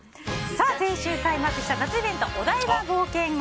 先週開幕した夏イベントお台場冒険王。